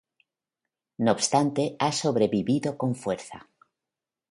No obstante ha sobrevivido con fuerza.